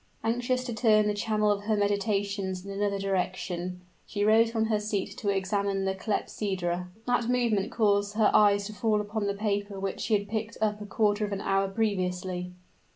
Anxious to turn the channel of her meditations in another direction, she rose from her seat to examine the clepsydra. That movement caused her eyes to fall upon the paper which she had picked up a quarter of an hour previously.